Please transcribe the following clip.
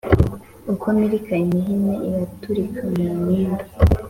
uko mpirika, imihini iraturika mu mpima